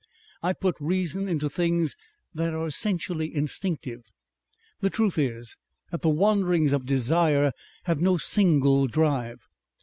I put reason into things that are essentially instinctive. The truth is that the wanderings of desire have no single drive.